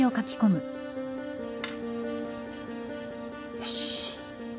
よし。